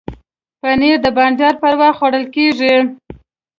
پنېر د بانډار پر وخت خوړل کېږي.